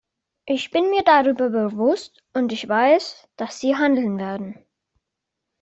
Ich bin mir darüber bewusst, und ich weiß, dass Sie handeln werden.